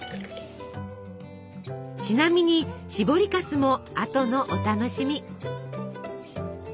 ちなみにしぼりかすもあとのお楽しみ。